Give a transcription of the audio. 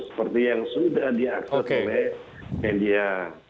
seperti yang sudah diakses oleh media